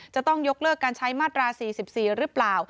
จะต้องยกเลิกการใช้มาตรา๔๔หรือเปล่า